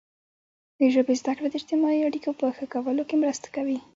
د ژبې زده کړه د اجتماعي اړیکو په ښه کولو کې مرسته کوي.